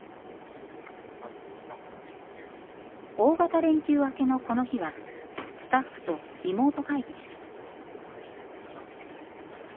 大型連休明けのこの日はスタッフとリモート会議です。